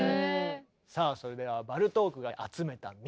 さあそれではバルトークが集めた民謡。